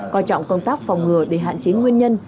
coi trọng công tác phòng ngừa để hạn chế nguyên nhân